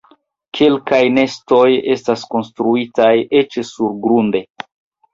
Kelkaj nestoj estas konstruitaj eĉ surgrunde.